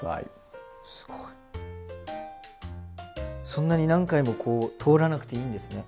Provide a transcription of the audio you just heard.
そんなに何回もこう通らなくていいんですね。